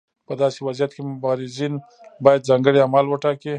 په داسې وضعیت کې مبارزین باید ځانګړي اعمال وټاکي.